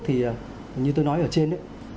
thì như tôi nói ở trên